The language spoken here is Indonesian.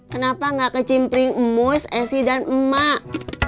kenapa gak kicimpring mus esi dan emak